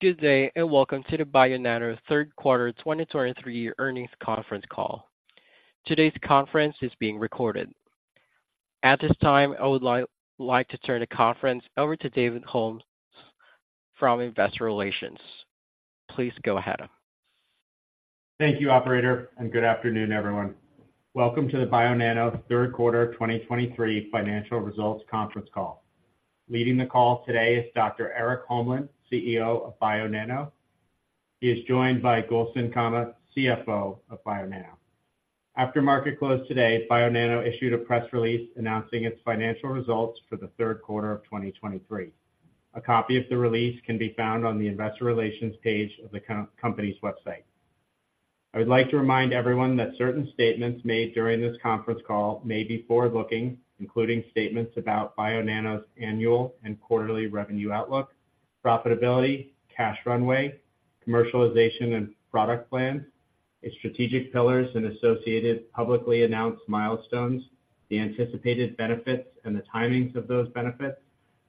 Good day, and welcome to the Bionano third quarter 2023 earnings conference call. Today's conference is being recorded. At this time, I would like to turn the conference over to David Holmes from Investor Relations. Please go ahead. Thank you, operator, and good afternoon, everyone. Welcome to the Bionano third quarter 2023 financial results conference call. Leading the call today is Dr. Erik Holmlin, CEO of Bionano. He is joined by Gülsen Kama, CFO of Bionano. After market close today, Bionano issued a press release announcing its financial results for the third quarter of 2023. A copy of the release can be found on the investor relations page of the company's website. I would like to remind everyone that certain statements made during this conference call may be forward-looking, including statements about Bionano's annual and quarterly revenue outlook, profitability, cash runway, commercialization and product plans, its strategic pillars and associated publicly announced milestones, the anticipated benefits and the timings of those benefits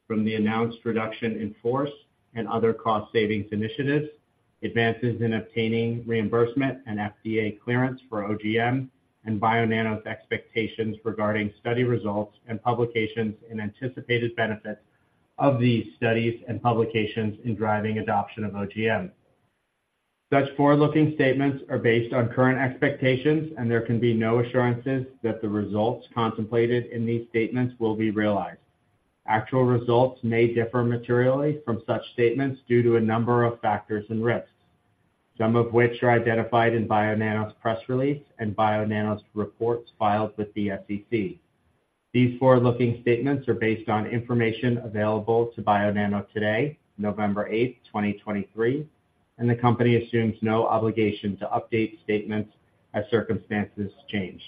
from the announced reduction in force and other cost savings initiatives, advances in obtaining reimbursement and FDA clearance for OGM, and Bionano's expectations regarding study results and publications, and anticipated benefits of these studies and publications in driving adoption of OGM. Such forward-looking statements are based on current expectations, and there can be no assurances that the results contemplated in these statements will be realized. Actual results may differ materially from such statements due to a number of factors and risks, some of which are identified in Bionano's press release and Bionano's reports filed with the SEC. These forward-looking statements are based on information available to Bionano today, November 8th, 2023, and the company assumes no obligation to update statements as circumstances change.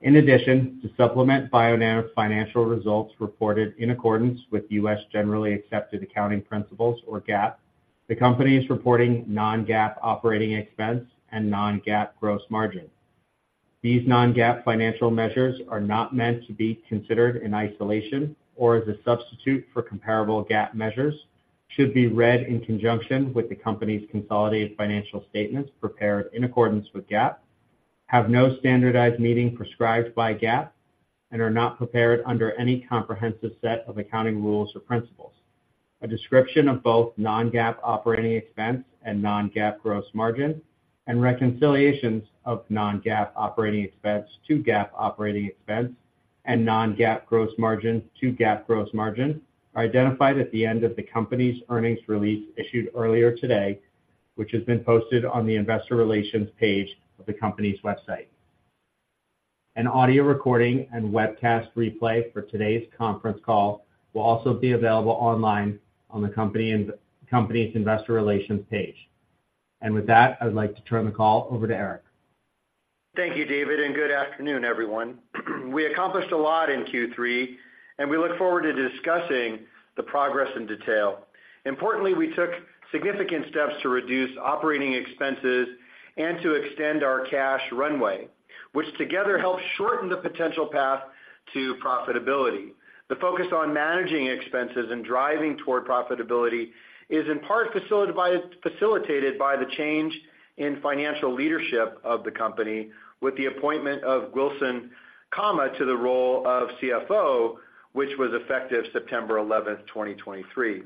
In addition, to supplement Bionano's financial results reported in accordance with U.S. generally accepted accounting principles, or GAAP, the company is reporting non-GAAP operating expense and non-GAAP gross margin. These non-GAAP financial measures are not meant to be considered in isolation or as a substitute for comparable GAAP measures, should be read in conjunction with the company's Consolidated Financial Statements prepared in accordance with GAAP, have no standardized meaning prescribed by GAAP, and are not prepared under any comprehensive set of accounting rules or principles. A description of both non-GAAP operating expense and non-GAAP gross margin, and reconciliations of non-GAAP operating expense to GAAP operating expense, and non-GAAP gross margin to GAAP gross margin, are identified at the end of the company's earnings release issued earlier today, which has been posted on the investor relations page of the company's website. An audio recording and webcast replay for today's conference call will also be available online on the company's investor relations page. With that, I would like to turn the call over to Erik. Thank you, David, and good afternoon, everyone. We accomplished a lot in Q3, and we look forward to discussing the progress in detail. Importantly, we took significant steps to reduce operating expenses and to extend our cash runway, which together helped shorten the potential path to profitability. The focus on managing expenses and driving toward profitability is in part facilitated by the change in financial leadership of the company with the appointment of Gülsen Kama to the role of CFO, which was effective September 11th, 2023.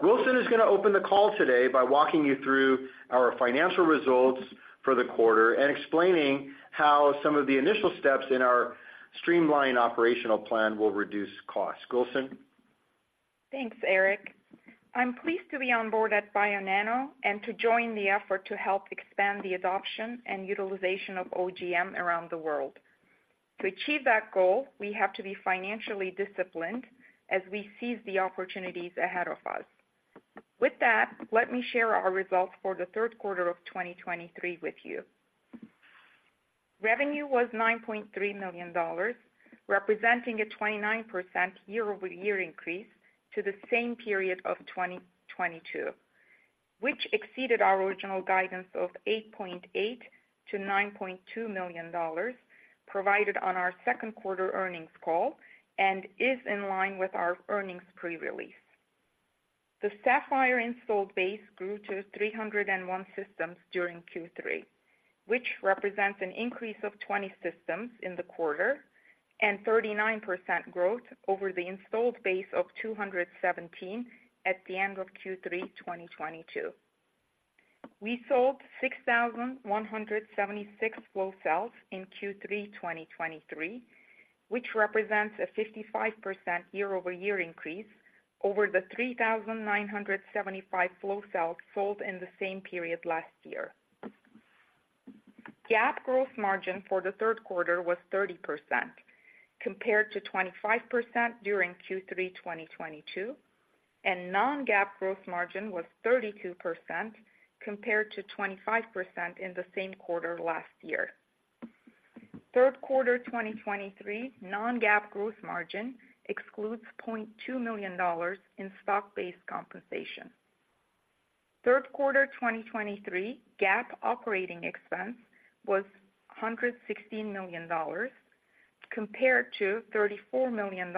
Gülsen is going to open the call today by walking you through our financial results for the quarter and explaining how some of the initial steps in our streamlined operational plan will reduce costs. Gülsen? Thanks, Erik. I'm pleased to be on board at Bionano and to join the effort to help expand the adoption and utilization of OGM around the world. To achieve that goal, we have to be financially disciplined as we seize the opportunities ahead of us. With that, let me share our results for the third quarter of 2023 with you. Revenue was $9.3 million, representing a 29% year-over-year increase to the same period of 2022, which exceeded our original guidance of $8.8 million-$9.2 million provided on our second quarter earnings call, and is in line with our earnings pre-release. The Saphyr installed base grew to 301 systems during Q3, which represents an increase of 20 systems in the quarter and 39% growth over the installed base of 217 at the end of Q3 2022. We sold 6,176 flow cells in Q3 2023, which represents a 55% year-over-year increase over the 3,975 flow cells sold in the same period last year. GAAP gross margin for the third quarter was 30%, compared to 25% during Q3 2022, and non-GAAP gross margin was 32%, compared to 25% in the same quarter last year. Third quarter 2023 non-GAAP gross margin excludes $0.2 million in stock-based compensation. Third quarter 2023 GAAP operating expense was $116 million compared to $34 million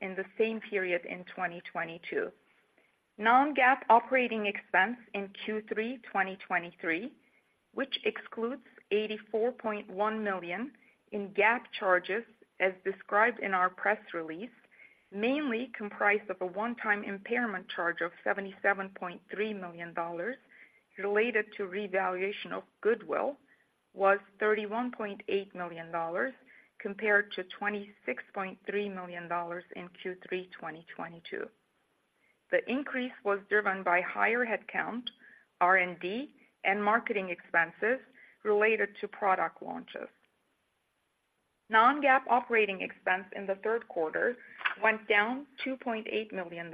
in the same period in 2022. Non-GAAP operating expense in Q3 2023, which excludes $84.1 million in GAAP charges, as described in our press release, mainly comprised of a one-time impairment charge of $77.3 million, related to revaluation of goodwill, was $31.8 million, compared to $26.3 million in Q3 2022. The increase was driven by higher headcount, R&D, and marketing expenses related to product launches. Non-GAAP operating expense in the third quarter went down $2.8 million,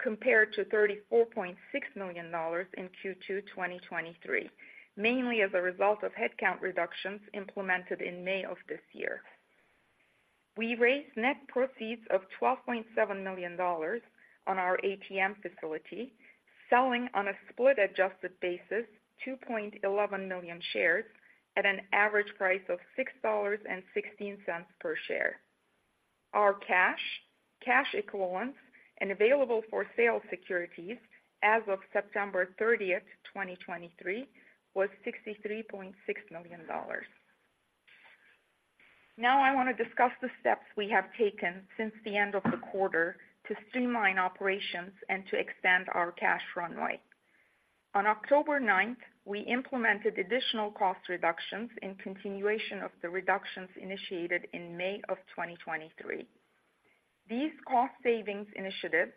compared to $34.6 million in Q2 2023, mainly as a result of headcount reductions implemented in May of this year. We raised net proceeds of $12.7 million on our ATM facility, selling on a split-adjusted basis, 2.11 million shares at an average price of $6.16 per share. Our cash, cash equivalents, and available-for-sale securities as of September 30th, 2023, was $63.6 million. Now, I want to discuss the steps we have taken since the end of the quarter to streamline operations and to extend our cash runway. On October 9th, we implemented additional cost reductions in continuation of the reductions initiated in May 2023. These cost savings initiatives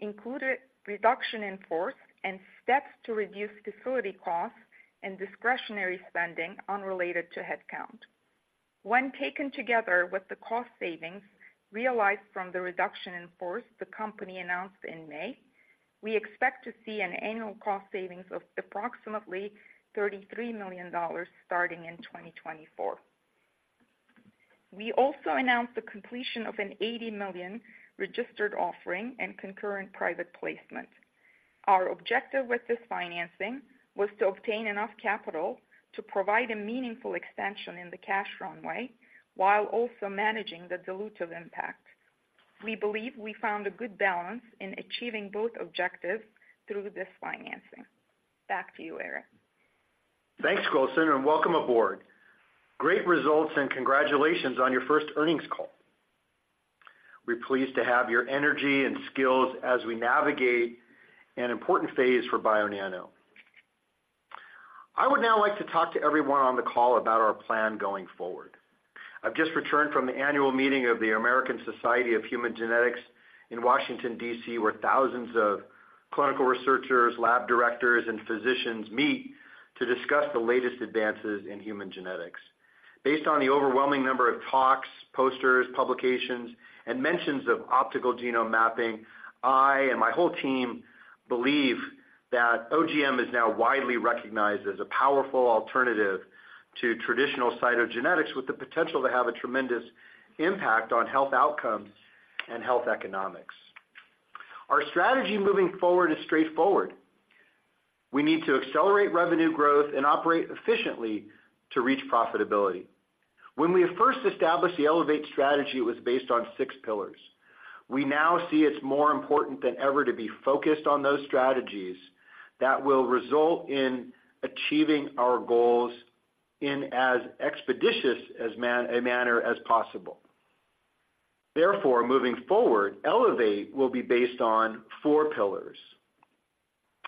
included reduction in force and steps to reduce facility costs and discretionary spending unrelated to headcount. When taken together with the cost savings realized from the reduction in force the company announced in May, we expect to see an annual cost savings of approximately $33 million starting in 2024. We also announced the completion of an $80 million registered offering and concurrent private placement. Our objective with this financing was to obtain enough capital to provide a meaningful extension in the cash runway, while also managing the dilutive impact. We believe we found a good balance in achieving both objectives through this financing. Back to you, Erik. Thanks, Gülsen, and welcome aboard. Great results, and congratulations on your first earnings call. We're pleased to have your energy and skills as we navigate an important phase for Bionano. I would now like to talk to everyone on the call about our plan going forward. I've just returned from the annual meeting of the American Society of Human Genetics in Washington, D.C., where thousands of clinical researchers, lab directors, and physicians meet to discuss the latest advances in human genetics. Based on the overwhelming number of talks, posters, publications, and mentions of optical genome mapping, I and my whole team believe that OGM is now widely recognized as a powerful alternative to traditional cytogenetics, with the potential to have a tremendous impact on health outcomes and health economics. Our strategy moving forward is straightforward. We need to accelerate revenue growth and operate efficiently to reach profitability. When we first established the Elevate strategy, it was based on six pillars. We now see it's more important than ever to be focused on those strategies that will result in achieving our goals in as expeditious a manner as possible. Therefore, moving forward, Elevate will be based on four pillars.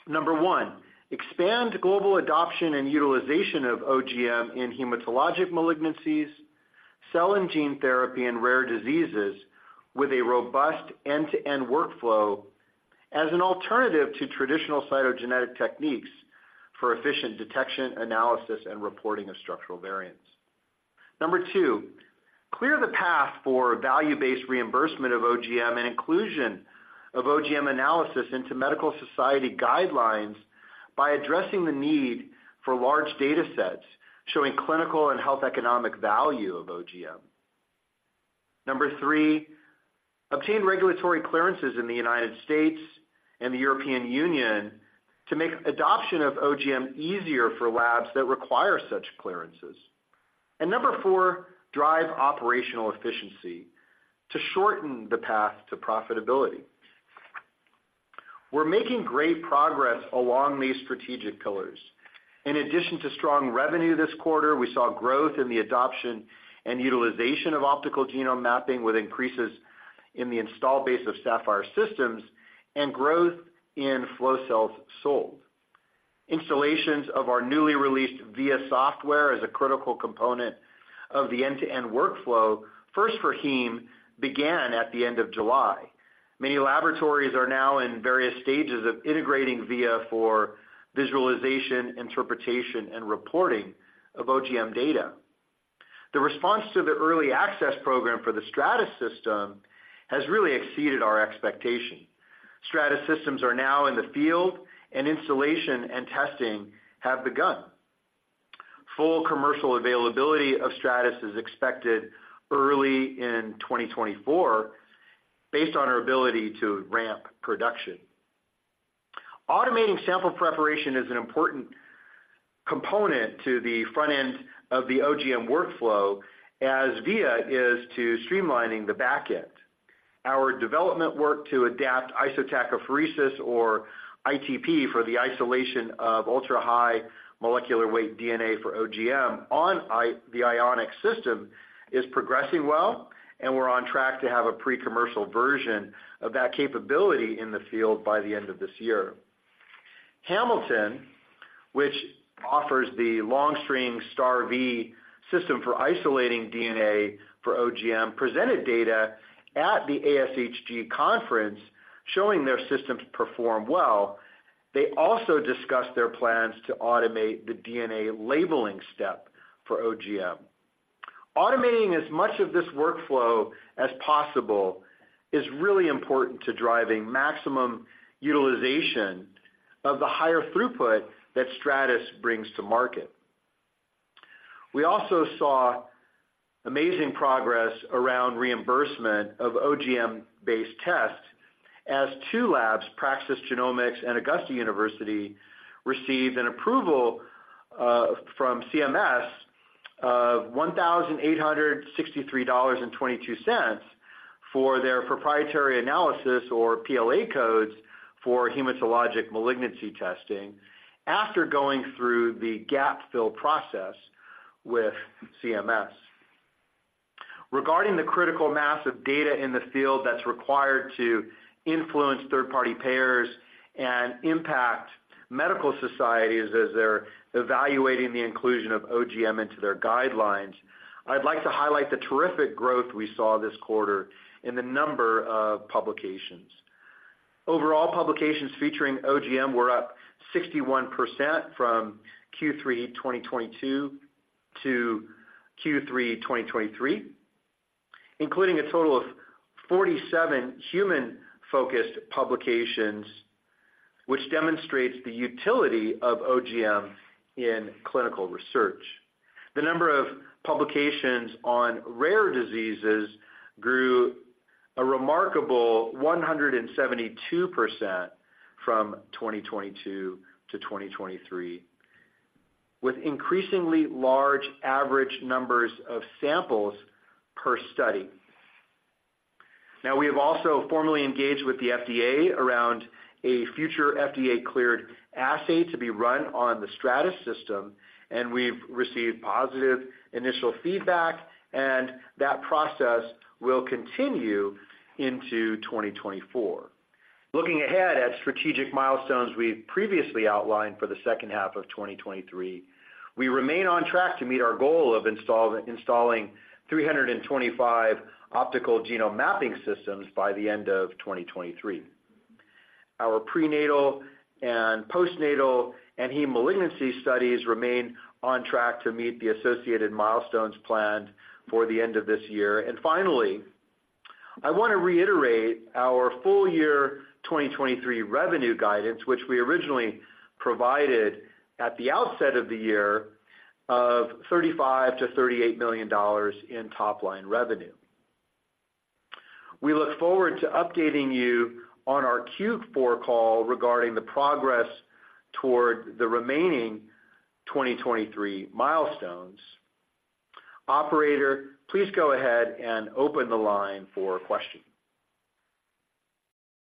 Number one, expand global adoption and utilization of OGM in hematologic malignancies, cell and gene therapy, and rare diseases, with a robust end-to-end workflow as an alternative to traditional cytogenetic techniques for efficient detection, analysis, and reporting of structural variants. Number two, clear the path for value-based reimbursement of OGM and inclusion of OGM analysis into medical society guidelines by addressing the need for large data sets, showing clinical and health economic value of OGM. Number three, obtain regulatory clearances in the United States and the European Union to make adoption of OGM easier for labs that require such clearances. Number four, drive operational efficiency to shorten the path to profitability. We're making great progress along these strategic pillars. In addition to strong revenue this quarter, we saw growth in the adoption and utilization of optical genome mapping, with increases in the install base of Saphyr systems and growth in flow cells sold. Installations of our newly released VIA software as a critical component of the end-to-end workflow, first for heme, began at the end of July. Many laboratories are now in various stages of integrating VIA for visualization, interpretation, and reporting of OGM data. The response to the early access program for the Stratys system has really exceeded our expectation. Stratys systems are now in the field, and installation and testing have begun. Full commercial availability of Stratys is expected early in 2024, based on our ability to ramp production. Automating sample preparation is an important component to the front end of the OGM workflow, as VIA is to streamlining the back end. Our development work to adapt isotachophoresis, or ITP, for the isolation of ultra-high molecular weight DNA for OGM on the Ionic system, is progressing well, and we're on track to have a pre-commercial version of that capability in the field by the end of this year. Hamilton, which offers the Long String STAR V system for isolating DNA for OGM, presented data at the ASHG conference, showing their systems perform well. They also discussed their plans to automate the DNA labeling step for OGM. Automating as much of this workflow as possible is really important to driving maximum utilization of the higher throughput that Stratys brings to market. We also saw amazing progress around reimbursement of OGM-based tests, as two labs, Praxis Genomics and Augusta University, received an approval from CMS of $1,863.22 for their proprietary analysis or PLA codes for hematologic malignancy testing, after going through the Gap Fill process with CMS. Regarding the critical mass of data in the field that's required to influence third-party payers and impact medical societies as they're evaluating the inclusion of OGM into their guidelines, I'd like to highlight the terrific growth we saw this quarter in the number of publications. Overall, publications featuring OGM were up 61% from Q3 2022 to Q3 2023, including a total of 47 human-focused publications, which demonstrates the utility of OGM in clinical research. The number of publications on rare diseases grew a remarkable 172% from 2022 to 2023, with increasingly large average numbers of samples per study. Now, we have also formally engaged with the FDA around a future FDA-cleared assay to be run on the Stratys system, and we've received positive initial feedback, and that process will continue into 2024. Looking ahead at strategic milestones we've previously outlined for the second half of 2023, we remain on track to meet our goal of installing 325 optical genome mapping systems by the end of 2023. Our prenatal and postnatal and hematologic malignancy studies remain on track to meet the associated milestones planned for the end of this year. Finally, I want to reiterate our full year 2023 revenue guidance, which we originally provided at the outset of the year, of $35 million-$38 million in top-line revenue. We look forward to updating you on our Q4 call regarding the progress toward the remaining 2023 milestones. Operator, please go ahead and open the line for questions.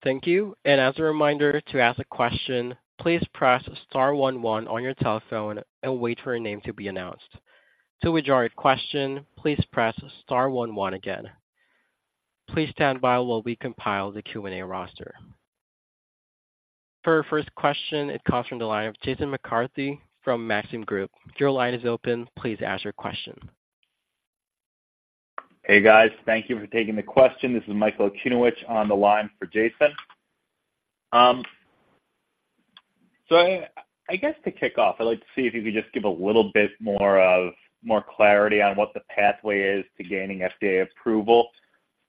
Thank you. And as a reminder, to ask a question, please press star one one on your telephone and wait for your name to be announced. To withdraw your question, please press star one one again. Please stand by while we compile the Q&A roster. For our first question, it comes from the line of Jason McCarthy from Maxim Group. Your line is open, please ask your question. Hey, guys. Thank you for taking the question. This is Michael Okunewitch on the line for Jason. So I guess, to kick off, I'd like to see if you could just give a little bit more clarity on what the pathway is to gaining FDA approval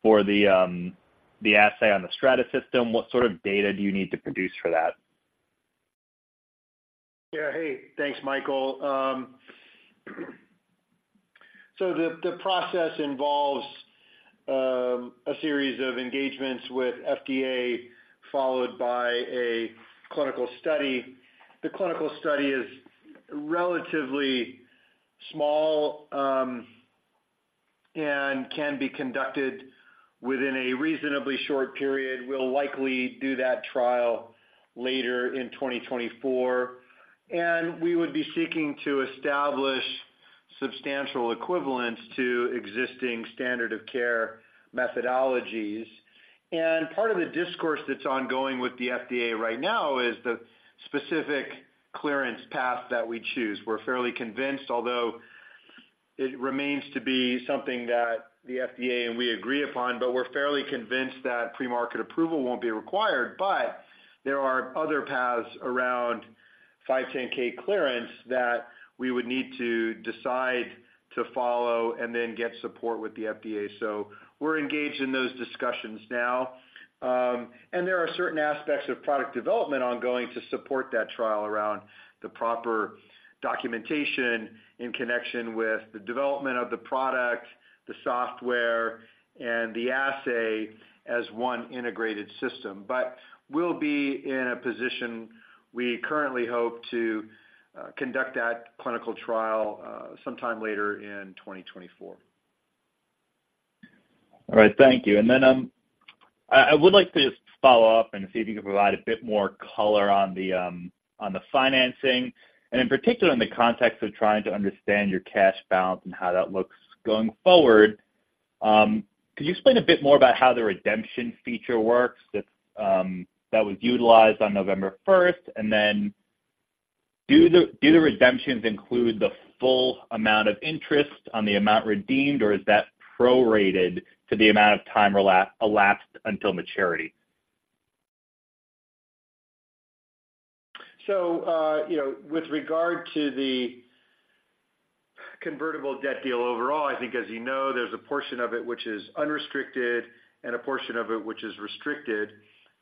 for the assay on the Stratys system. What sort of data do you need to produce for that? Yeah. Hey, thanks, Michael. So the process involves a series of engagements with FDA, followed by a clinical study. The clinical study is relatively small, and can be conducted within a reasonably short period. We'll likely do that trial later in 2024, and we would be seeking to establish substantial equivalence to existing standard of care methodologies. Part of the discourse that's ongoing with the FDA right now is the specific clearance path that we choose. We're fairly convinced, although it remains to be something that the FDA and we agree upon, but we're fairly convinced that pre-market approval won't be required, but there are other paths around 510(k) clearance that we would need to decide to follow and then get support with the FDA. So we're engaged in those discussions now. And there are certain aspects of product development ongoing to support that trial around the proper documentation in connection with the development of the product, the software, and the assay as one integrated system. But we'll be in a position, we currently hope, to conduct that clinical trial sometime later in 2024. All right. Thank you. And then, I would like to just follow up and see if you could provide a bit more color on the financing, and in particular, in the context of trying to understand your cash balance and how that looks going forward. Could you explain a bit more about how the redemption feature works that was utilized on November 1st? And then do the redemptions include the full amount of interest on the amount redeemed, or is that prorated to the amount of time elapsed until maturity? So, you know, with regard to the convertible debt deal overall, I think as you know, there's a portion of it which is unrestricted and a portion of it which is restricted.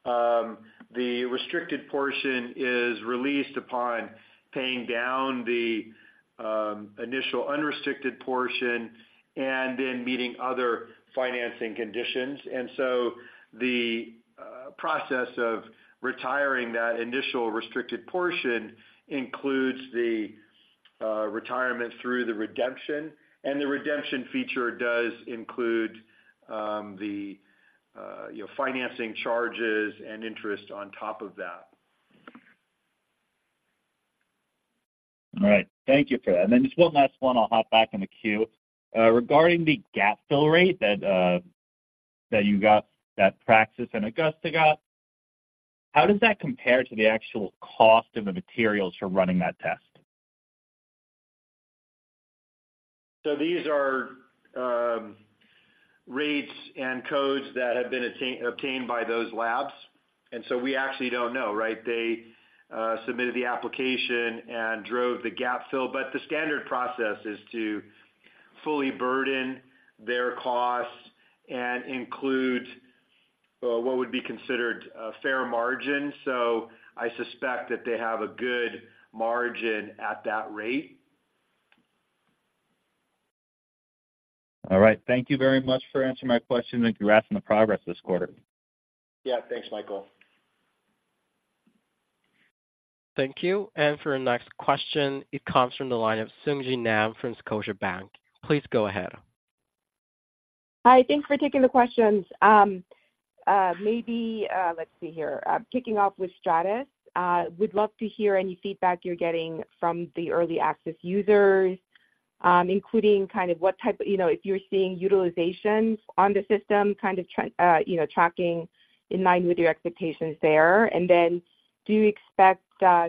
The restricted portion is released upon paying down the initial unrestricted portion and then meeting other financing conditions. And so the process of retiring that initial restricted portion includes the retirement through the redemption, and the redemption feature does include, you know, financing charges and interest on top of that. All right. Thank you for that. And then just one last one, I'll hop back in the queue. Regarding the gap fill rate that you got, that Praxis and Augusta got, how does that compare to the actual cost of the materials for running that test? So these are, rates and codes that have been obtained by those labs, and so we actually don't know, right? They, submitted the application and drove the Gap Fill, but the standard process is to fully burden their costs and include, what would be considered a fair margin. So I suspect that they have a good margin at that rate. All right. Thank you very much for answering my question and congrats on the progress this quarter. Yeah, thanks, Michael. Thank you. And for our next question, it comes from the line of Sung Ji Nam from Scotiabank. Please go ahead. Hi, thanks for taking the questions. Maybe, let's see here. Kicking off with Stratys, we'd love to hear any feedback you're getting from the early access users, including kind of what type of—you know, if you're seeing utilizations on the system, kind of tracking in line with your expectations there. And then do you expect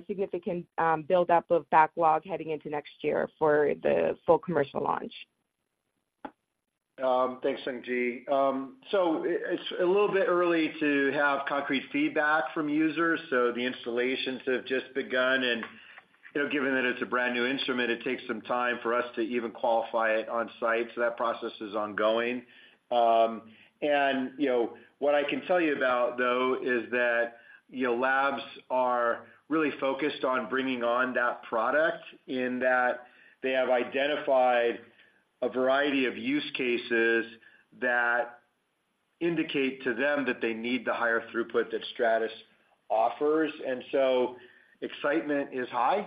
significant buildup of backlog heading into next year for the full commercial launch? Thanks, Sung Ji. So it's a little bit early to have concrete feedback from users, so the installations have just begun, and, you know, given that it's a brand-new instrument, it takes some time for us to even qualify it on site, so that process is ongoing. And, you know, what I can tell you about, though, is that, you know, labs are really focused on bringing on that product in that they have identified a variety of use cases that indicate to them that they need the higher throughput that Stratys offers. And so excitement is high,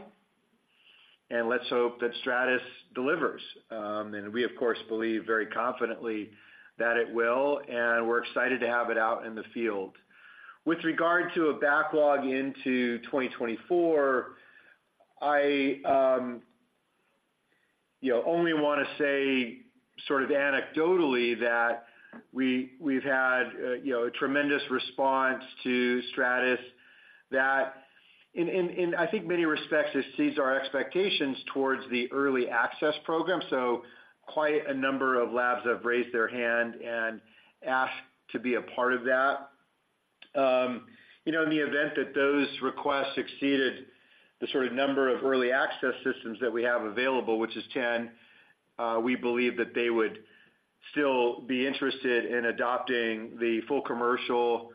and let's hope that Stratys delivers. And we, of course, believe very confidently that it will, and we're excited to have it out in the field. With regard to a backlog into 2024, I, you know, only want to say sort of anecdotally that we, we've had, you know, a tremendous response to Stratys, that in I think many respects, this exceeds our expectations towards the early access program. So quite a number of labs have raised their hand and asked to be a part of that. You know, in the event that those requests exceeded the sort of number of early access systems that we have available, which is 10, we believe that they would still be interested in adopting the full commercial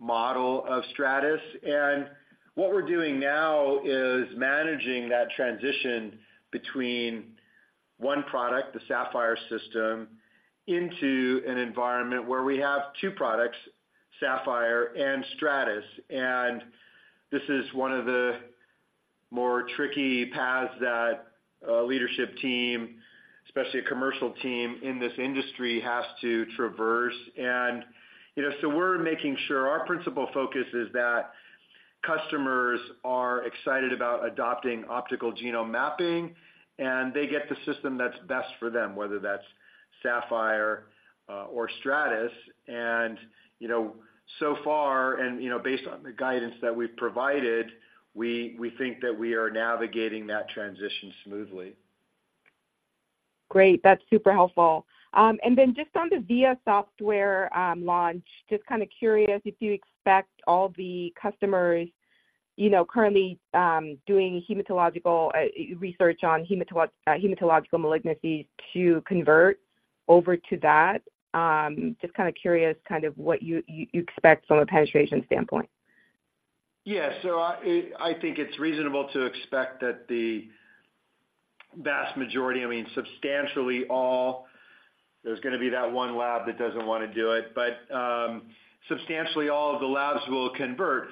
model of Stratys. And what we're doing now is managing that transition between one product, the Saphyr system, into an environment where we have two products, Saphyr and Stratys. And this is one of the more tricky paths that a leadership team, especially a commercial team in this industry, has to traverse. And, you know, so we're making sure our principal focus is that customers are excited about adopting optical genome mapping, and they get the system that's best for them, whether that's Saphyr, or Stratys. And, you know, so far, and, you know, based on the guidance that we've provided, we, we think that we are navigating that transition smoothly. Great, that's super helpful. And then just on the VIA software launch, just kind of curious if you expect all the customers you know, currently doing hematological research on hematological malignancies to convert over to that? Just kind of curious, kind of what you expect from a penetration standpoint. Yeah. So I think it's reasonable to expect that the vast majority, I mean, substantially all, there's gonna be that one lab that doesn't want to do it, but substantially all of the labs will convert.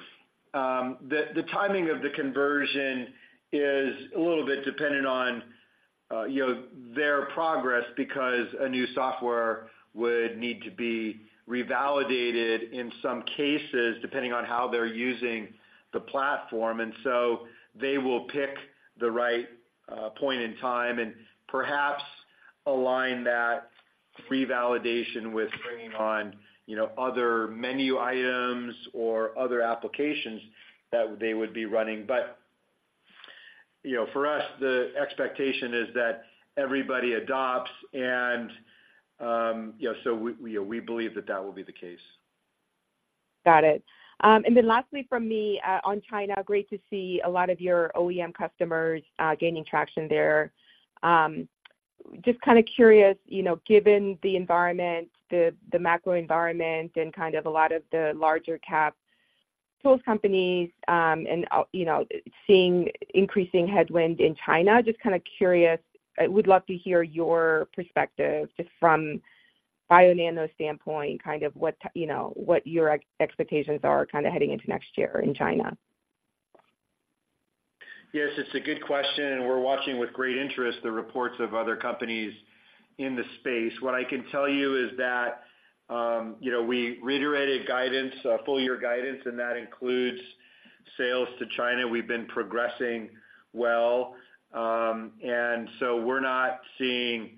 The timing of the conversion is a little bit dependent on, you know, their progress, because a new software would need to be revalidated in some cases, depending on how they're using the platform. And so they will pick the right point in time and perhaps align that revalidation with bringing on, you know, other menu items or other applications that they would be running. But, you know, for us, the expectation is that everybody adopts and, you know, so we believe that that will be the case. Got it. And then lastly from me, on China, great to see a lot of your OEM customers, gaining traction there. Just kind of curious, you know, given the environment, the macro environment and kind of a lot of the larger cap tools companies, and, you know, seeing increasing headwind in China, just kind of curious, I would love to hear your perspective, just from Bionano's standpoint, kind of what, you know, what your expectations are kind of heading into next year in China. Yes, it's a good question, and we're watching with great interest the reports of other companies in the space. What I can tell you is that, you know, we reiterated guidance, a full year guidance, and that includes sales to China. We've been progressing well, and so we're not seeing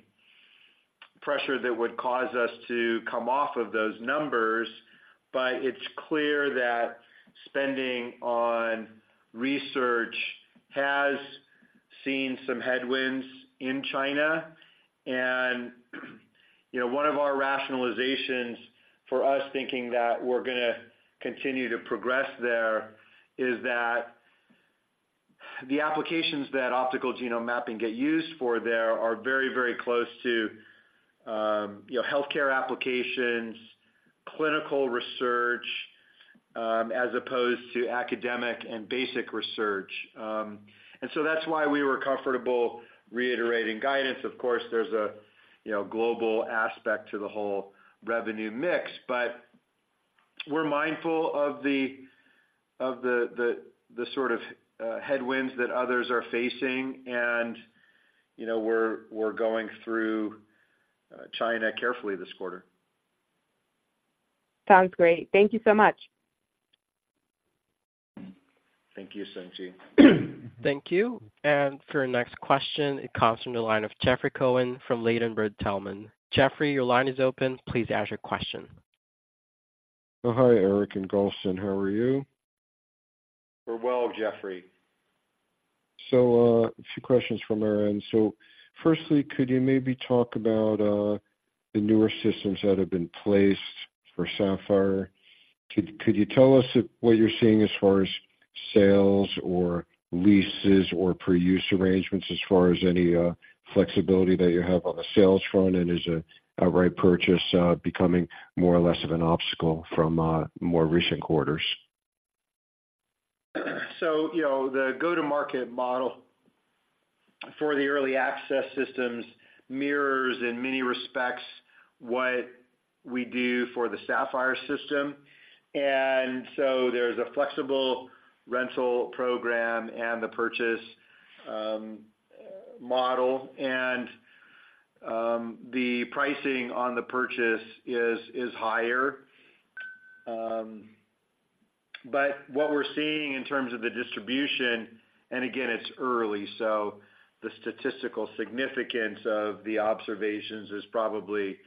pressure that would cause us to come off of those numbers, but it's clear that spending on research has seen some headwinds in China. And, you know, one of our rationalizations for us thinking that we're gonna continue to progress there, is that the applications that optical genome mapping get used for there are very, very close to, you know, healthcare applications, clinical research, as opposed to academic and basic research. And so that's why we were comfortable reiterating guidance. Of course, there's a, you know, global aspect to the whole revenue mix, but we're mindful of the sort of headwinds that others are facing, and, you know, we're going through China carefully this quarter. Sounds great. Thank you so much. Thank you, Sung Ji. Thank you. For our next question, it comes from the line of Jeffrey Cohen from Ladenburg Thalmann. Jeffrey, your line is open. Please ask your question. Oh, hi, Erik and Gülsen. How are you? We're well, Jeffrey. So, a few questions from our end. So firstly, could you maybe talk about, the newer systems that have been placed for Saphyr? Could you tell us if, what you're seeing as far as sales or leases or per-use arrangements, as far as any, flexibility that you have on the sales front, and is a, a right purchase, becoming more or less of an obstacle from, more recent quarters? So, you know, the go-to-market model for the early access systems mirrors in many respects what we do for the Saphyr system. And so there's a flexible rental program and the purchase model, and the pricing on the purchase is, is higher. But what we're seeing in terms of the distribution, and again, it's early, so the statistical significance of the observations is probably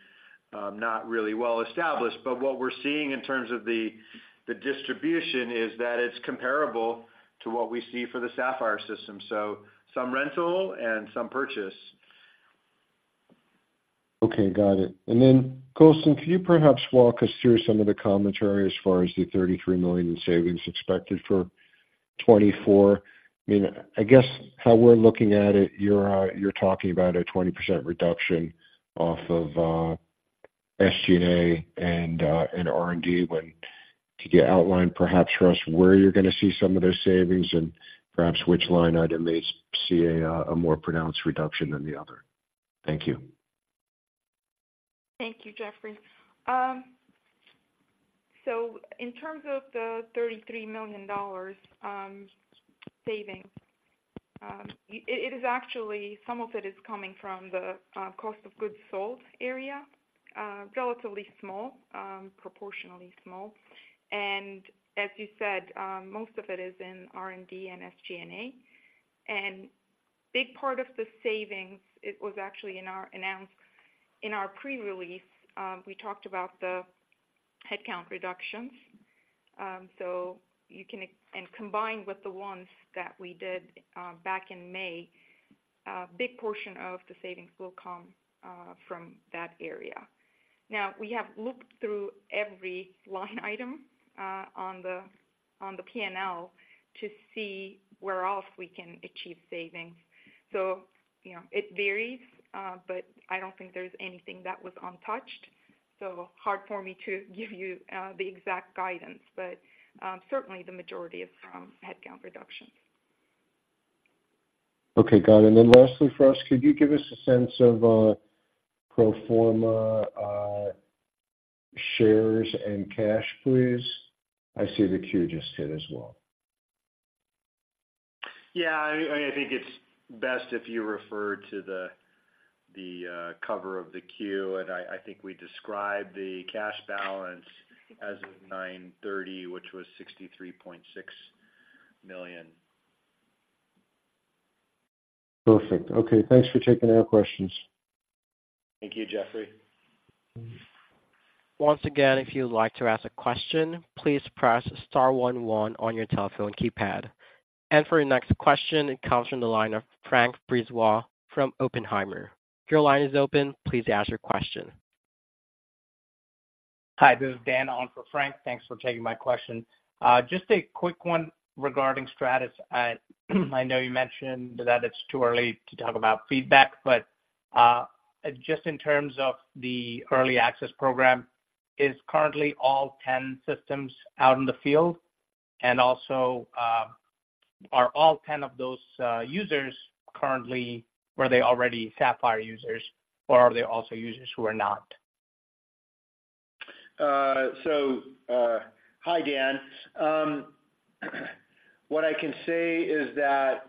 not really well established. But what we're seeing in terms of the distribution is that it's comparable to what we see for the Saphyr system. So some rental and some purchase. Okay, got it. And then Gülsen, can you perhaps walk us through some of the commentary as far as the $33 million in savings expected for 2024? I mean, I guess how we're looking at it, you're talking about a 20% reduction off of SG&A and R&D, when could you outline perhaps for us, where you're gonna see some of those savings and perhaps which line item may see a more pronounced reduction than the other? Thank you. Thank you, Jeffrey. So in terms of the $33 million savings, it is actually, some of it is coming from the cost of goods sold area, relatively small, proportionally small. And as you said, most of it is in R&D and SG&A. And big part of the savings, it was actually in our announced, in our pre-release, we talked about the headcount reductions, so you can ex- and combined with the ones that we did back in May. Big portion of the savings will come from that area. Now, we have looked through every line item on the P&L to see where else we can achieve savings. So, you know, it varies, but I don't think there's anything that was untouched. So hard for me to give you the exact guidance, but certainly the majority is from headcount reductions. Okay, got it. And then lastly, for us, could you give us a sense of pro forma shares and cash, please? I see the queue just hit as well. Yeah, I think it's best if you refer to the cover of the Q. And I think we described the cash balance as of 9/30, which was $63.6 million. Perfect. Okay, thanks for taking our questions. Thank you, Jeffrey. Once again, if you'd like to ask a question, please press star one one on your telephone keypad. For your next question, it comes from the line of Frank Brisebois from Oppenheimer. Your line is open. Please ask your question. Hi, this is Dan on for Frank. Thanks for taking my question. Just a quick one regarding Stratys. I know you mentioned that it's too early to talk about feedback, but just in terms of the early access program, is currently all 10 systems out in the field? And also, are all 10 of those users currently, were they already Saphyr users, or are they also users who are not? So, hi, Dan. What I can say is that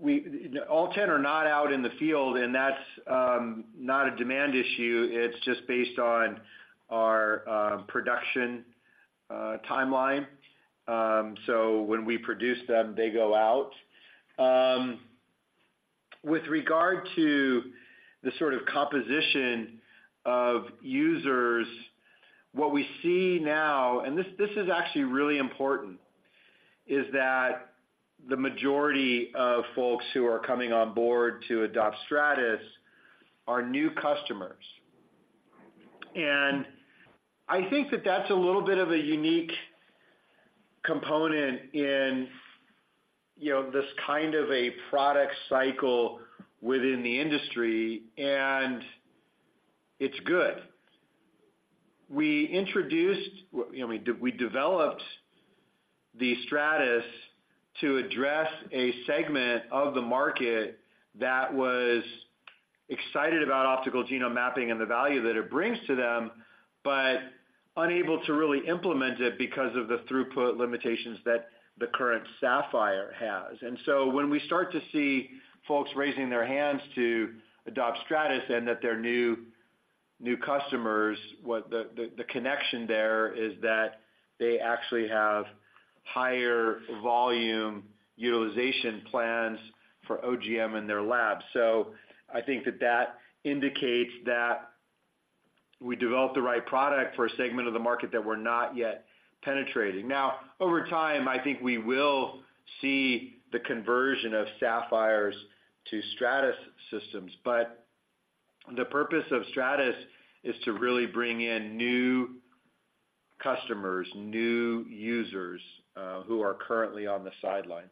we—all 10 are not out in the field, and that's not a demand issue, it's just based on our production timeline. So when we produce them, they go out. With regard to the sort of composition of users, what we see now, and this, this is actually really important, is that the majority of folks who are coming on board to adopt Stratus are new customers. And I think that that's a little bit of a unique component in, you know, this kind of a product cycle within the industry, and it's good. We introduced, you know, we developed the Stratys to address a segment of the market that was excited about optical genome mapping and the value that it brings to them, but unable to really implement it because of the throughput limitations that the current Saphyr has. And so when we start to see folks raising their hands to adopt Stratys and that they're new, new customers, what the connection there is that they actually have higher volume utilization plans for OGM in their lab. So I think that that indicates that we developed the right product for a segment of the market that we're not yet penetrating. Now, over time, I think we will see the conversion of Saphyrs to Stratys systems, but the purpose of Stratys is to really bring in new customers, new users, who are currently on the sidelines.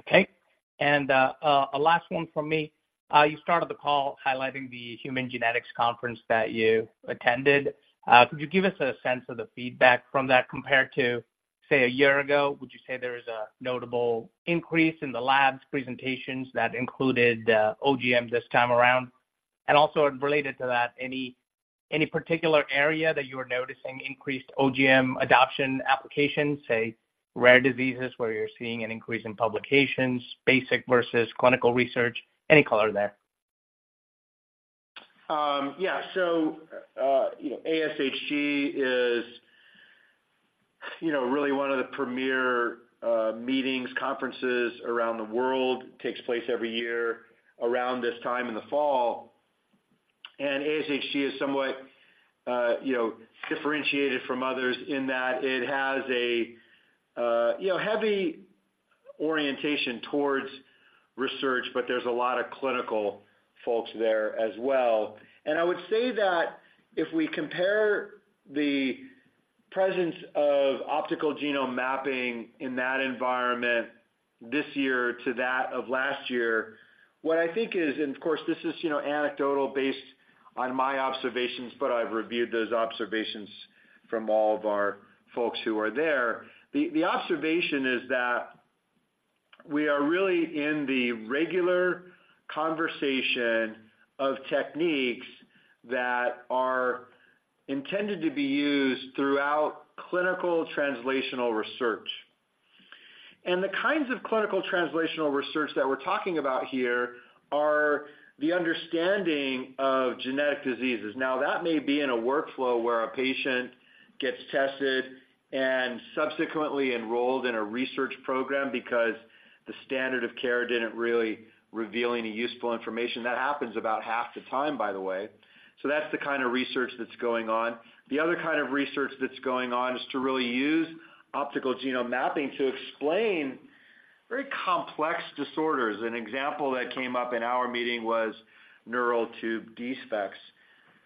Okay. A last one from me. You started the call highlighting the Human Genetics Conference that you attended. Could you give us a sense of the feedback from that compared to, say, a year ago? Would you say there is a notable increase in the lab's presentations that included OGM this time around? And also related to that, any particular area that you are noticing increased OGM adoption application, say, rare diseases, where you're seeing an increase in publications, basic versus clinical research? Any color there. Yeah. So, you know, ASHG is, you know, really one of the premier meetings, conferences around the world. Takes place every year around this time in the fall. And ASHG is somewhat, you know, differentiated from others in that it has a, you know, heavy orientation towards research, but there's a lot of clinical folks there as well. And I would say that if we compare the presence of optical genome mapping in that environment this year to that of last year, what I think is, and of course, this is, you know, anecdotal based on my observations, but I've reviewed those observations from all of our folks who are there. The observation is that we are really in the regular conversation of techniques that are intended to be used throughout clinical translational research. The kinds of clinical translational research that we're talking about here are the understanding of genetic diseases. Now, that may be in a workflow where a patient gets tested and subsequently enrolled in a research program because the standard of care didn't really reveal any useful information. That happens about half the time, by the way. So that's the kind of research that's going on. The other kind of research that's going on is to really use optical genome mapping to explain very complex disorders. An example that came up in our meeting was neural tube defects,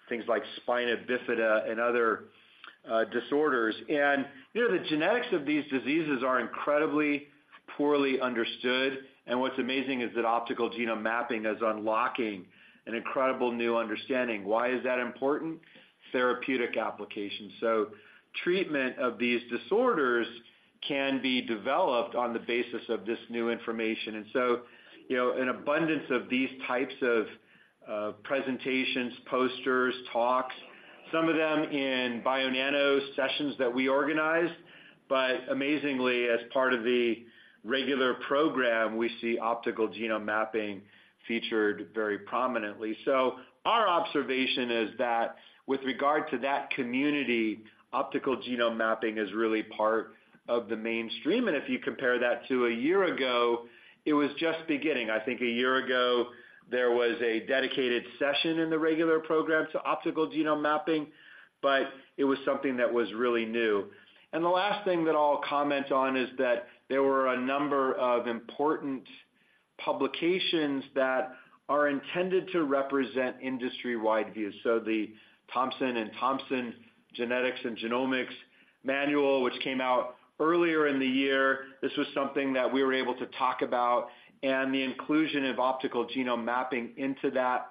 things like spina bifida and other disorders. And, you know, the genetics of these diseases are incredibly poorly understood, and what's amazing is that optical genome mapping is unlocking an incredible new understanding. Why is that important? Therapeutic application. So treatment of these disorders can be developed on the basis of this new information. You know, an abundance of these types of presentations, posters, talks, some of them in Bionano sessions that we organized, but amazingly, as part of the regular program, we see optical genome mapping featured very prominently. Our observation is that with regard to that community, optical genome mapping is really part of the mainstream. If you compare that to a year ago, it was just beginning. I think a year ago, there was a dedicated session in the regular program to optical genome mapping, but it was something that was really new. The last thing that I'll comment on is that there were a number of important publications that are intended to represent industry-wide views. The Thompson and Thompson Genetics and Genomics Manual, which came out earlier in the year, this was something that we were able to talk about, and the inclusion of optical genome mapping into that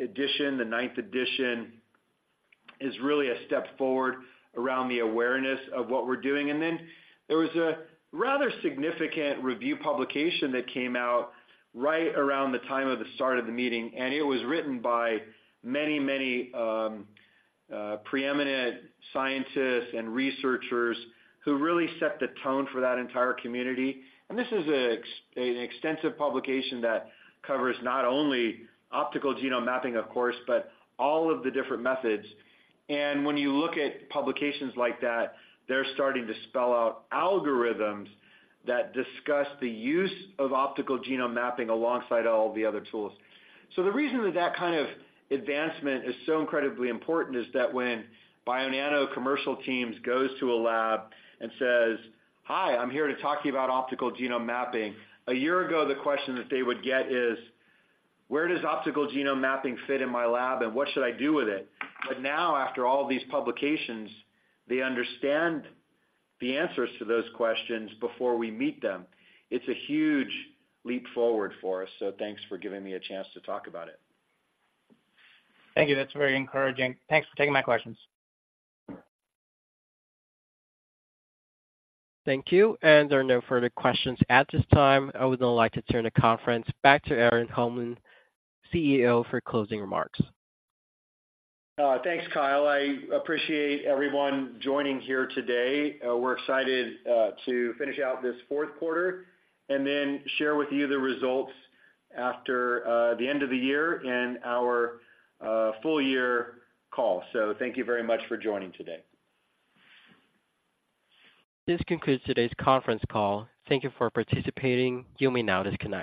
edition, the ninth edition, is really a step forward around the awareness of what we're doing. Then there was a rather significant review publication that came out right around the time of the start of the meeting, and it was written by many, many preeminent scientists and researchers who really set the tone for that entire community. This is an extensive publication that covers not only optical genome mapping, of course, but all of the different methods. When you look at publications like that, they're starting to spell out algorithms that discuss the use of optical genome mapping alongside all the other tools. So the reason that that kind of advancement is so incredibly important is that when Bionano commercial teams goes to a lab and says, "Hi, I'm here to talk to you about optical genome mapping," a year ago, the question that they would get is, "Where does optical genome mapping fit in my lab, and what should I do with it?" But now, after all these publications, they understand the answers to those questions before we meet them. It's a huge leap forward for us, so thanks for giving me a chance to talk about it. Thank you. That's very encouraging. Thanks for taking my questions. Thank you, and there are no further questions at this time. I would now like to turn the conference back to Erik Holmlin, CEO, for closing remarks. Thanks, Kyle. I appreciate everyone joining here today. We're excited to finish out this fourth quarter and then share with you the results after the end of the year in our full-year call. Thank you very much for joining today. This concludes today's conference call. Thank you for participating. You may now disconnect.